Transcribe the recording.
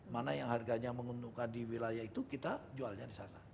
mana yang harganya menguntungkan di wilayah itu kita jualnya di sana